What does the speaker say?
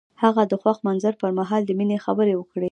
هغه د خوښ منظر پر مهال د مینې خبرې وکړې.